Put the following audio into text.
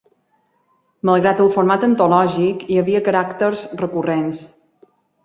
Malgrat el format antològic, hi havia caràcters recurrents.